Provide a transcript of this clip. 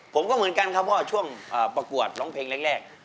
ผมก็เหมือนกันครับว่าช่วงประกวดร้องเพลงแรก